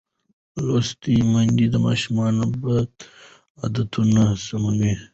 لوستې میندې د ماشوم بد عادتونه سموي.